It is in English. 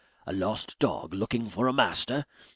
A lost dog looking for a master!